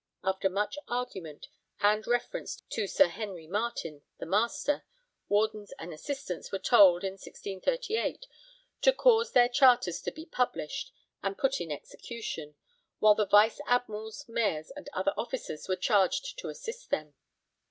After much argument and reference to Sir Henry Marten, the Master, Wardens and Assistants were told, in 1638, 'to cause their charters to be published and put in execution,' while the 'Vice Admirals, Mayors and other Officers' were charged to assist them.